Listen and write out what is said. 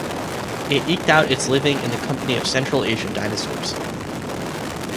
It eked out its living in the company of Central Asian dinosaurs.